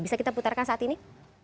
bisa kita putarkan saat ini